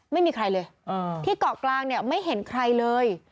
ไม่มีใครเลยที่เกาะกลางเนี่ยไม่เห็นใครเลย